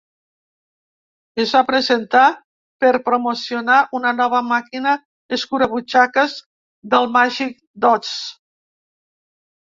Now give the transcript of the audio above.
Es va presentar per promocionar una nova màquina escurabutxaques del Màgic d"Oz.